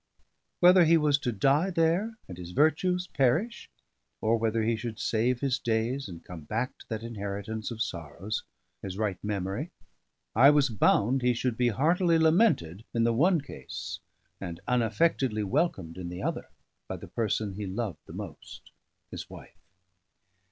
Whether he was to die there and his virtues perish: or whether he should save his days and come back to that inheritance of sorrows, his right memory: I was bound he should be heartily lamented in the one case, and unaffectedly welcomed in the other, by the person he loved the most, his wife.